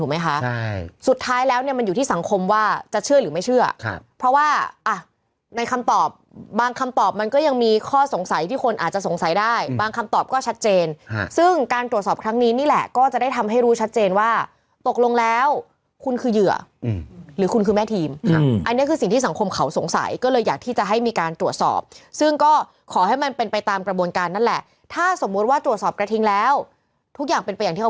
มันอยู่ที่สังคมว่าจะเชื่อหรือไม่เชื่อเพราะว่าในคำตอบบางคำตอบมันก็ยังมีข้อสงสัยที่คนอาจจะสงสัยได้บางคำตอบก็ชัดเจนซึ่งการตรวจสอบครั้งนี้นี่แหละก็จะได้ทำให้รู้ชัดเจนว่าตกลงแล้วคุณคือเหยื่อหรือคุณคือแม่ทีมอันนี้คือสิ่งที่สังคมเขาสงสัยก็เลยอยากที่จะให้มีการตรวจสอบซ